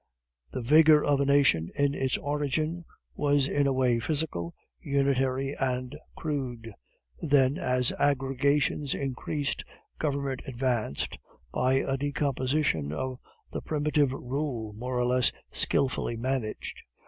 "The vigor of a nation in its origin was in a way physical, unitary, and crude; then as aggregations increased, government advanced by a decomposition of the primitive rule, more or less skilfully managed.